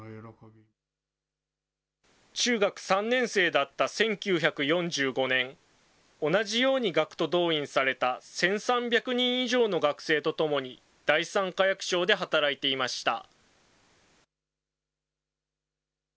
中学３年生だった１９４５年、同じように学徒動員された１３００人以上の学生と共に、第三火薬廠で働いていました。